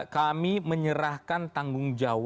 kami menyerahkan tanggung jawab